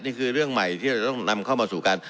นี่คือเรื่องใหม่ที่เราต้องนำเข้ามาสู่การ